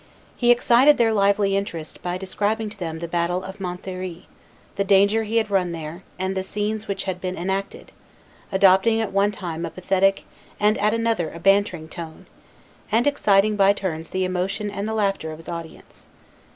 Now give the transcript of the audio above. He excited their lively interest by describing to them the battle of Montlhery, the danger he had run there, and the scenes which had been enacted, adopting at one time a pathetic and at another a bantering tone, and exciting by turns the emotion and the laughter of his audience.